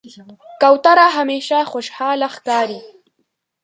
کوتره همیشه خوشحاله ښکاري.